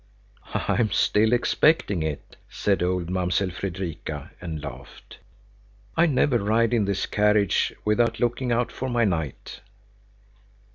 "I am still expecting it," said old Mamsell Fredrika, and laughed. "I never ride in this carriage without looking out for my knight."